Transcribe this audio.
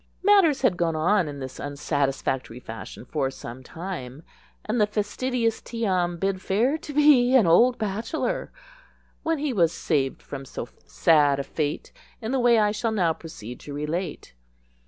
Matters had gone on in this unsatisfactory fashion for some time, and the fastidious Tee am bid fair to be an old bachelor, when he was saved from so sad a fate in the way I shall now proceed to relate.